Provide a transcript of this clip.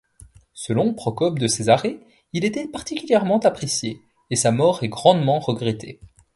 Selon Procope de Césarée, il était particulièrement apprécié et sa mort est grandement regrettée.